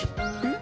ん？